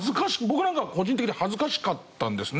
僕なんか個人的に恥ずかしかったんですね。